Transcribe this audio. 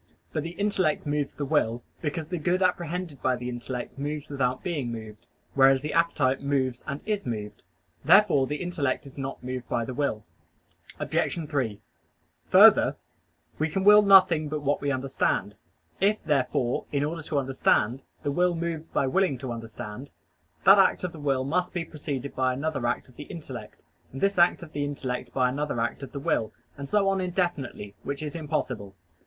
But the intellect moves the will, because the good apprehended by the intellect moves without being moved; whereas the appetite moves and is moved. Therefore the intellect is not moved by the will. Obj. 3: Further, we can will nothing but what we understand. If, therefore, in order to understand, the will moves by willing to understand, that act of the will must be preceded by another act of the intellect, and this act of the intellect by another act of the will, and so on indefinitely, which is impossible.